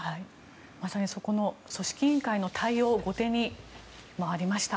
まさにそこの組織委員会の対応が後手に回りました。